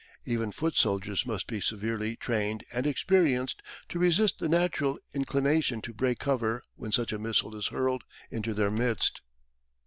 Even foot soldiers must be severely trained and experienced to resist the natural inclination to break cover when such a missile is hurled into their midst.